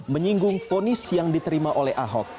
menyinggung fonis yang diterima oleh ahok